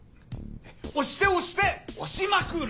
押して押して押しまくる！